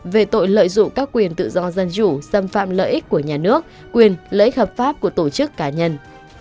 về tội lợi dụng các quyền tự do dân chủ xâm phạm lợi ích của nhà nước quyền lợi ích hợp pháp của tổ chức cá nhân